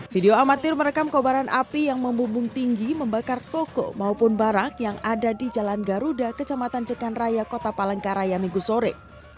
video amatir merekam kobaran api yang membumbung tinggi membakar toko maupun barak yang ada di jalan garuda kecamatan cekan raya kota palangkaraya minggu sore